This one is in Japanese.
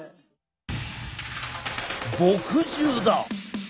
墨汁だ！